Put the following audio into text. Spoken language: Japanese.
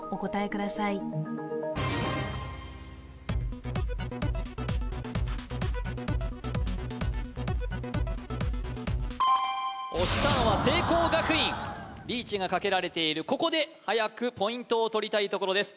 ください押したのは聖光学院リーチがかけられているここではやくポイントをとりたいところです